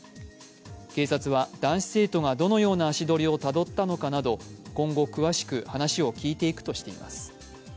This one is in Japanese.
警察は男子生徒がどのような足取りをたどったのかなど今後詳しく話を聞いていくとしています。